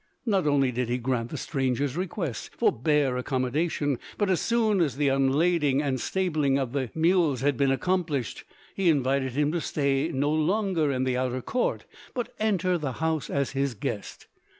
Not only did he grant the stranger's request for bare accommodation, but as soon as the unlading and stabling of the mules had been accomplished, he invited him to stay no longer in the outer court but enter the house as his guest.